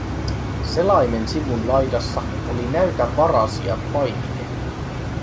selaimen sivun laidassa oli näytä varasijat -painike.